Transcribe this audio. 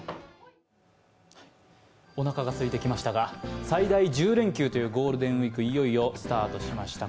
おなかがすいてきましたが、最大１０連休というゴールデンウイーク、いよいよスタートしました。